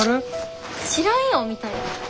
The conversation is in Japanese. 知らんよ！みたいな。